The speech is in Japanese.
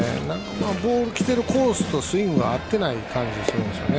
ボールが来てるコースとスイングが合っていない感じがしますよね。